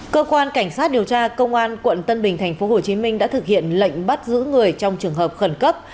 cơ quan cảnh sát điều tra công an quận tân bình tp hcm đã thực hiện lệnh bắt giữ người trong trường hợp khẩn cấp